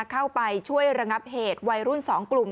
เข้าไปช่วยระงับเหตุวัยรุ่น๒กลุ่ม